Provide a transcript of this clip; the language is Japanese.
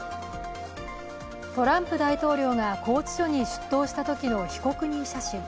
トランプ大統領が拘置所に出頭したときの被告人写真。